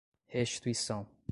restituição